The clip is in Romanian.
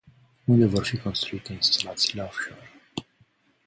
Unde vor fi construite instalațiile off-shore?